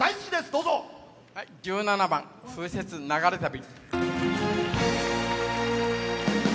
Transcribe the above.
１７番「風雪ながれ旅」。